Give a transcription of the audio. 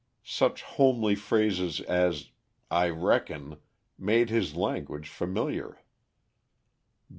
Such homely phrases as: "I reckon," made his language familiar.